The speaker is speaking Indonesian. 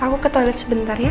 aku ke toilet sebentar ya